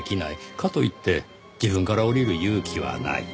かといって自分から降りる勇気はない。